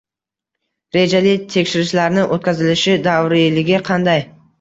Rejali tekshirishlarni o‘tkazilishi davriyligi qanday?